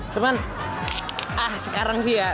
cuman ah sekarang sih ya